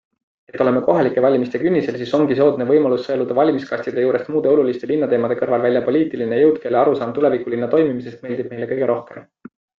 Et oleme kohalike valimiste künnisel, siis ongi soodne võimalus sõeluda valimiskastide juures muude oluliste linnateemade kõrval välja poliitiline jõud, kelle arusaam tulevikulinna toimimisest meeldib meile kõige rohkem.